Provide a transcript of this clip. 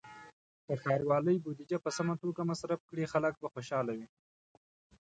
که ښاروالۍ بودیجه په سمه توګه مصرف کړي، خلک به خوشحاله وي.